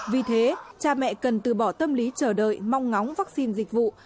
vì thế cha mẹ cần từ bỏ tâm lý chờ đợi mong ngóng vaccine dịch vụ